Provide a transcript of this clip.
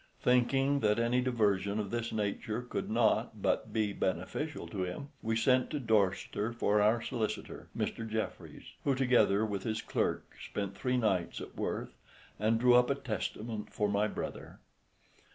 Thinking that any diversion of this nature could not but be beneficial to him, we sent to Dorchester for our solicitor, Mr. Jeffreys, who together with his clerk spent three nights at Worth, and drew up a testament for my brother.